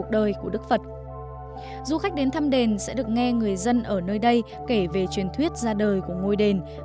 du khách đến thăm đền sẽ được nghe người dân ở nơi đây kể về truyền thuyết ra đời của ngôi đền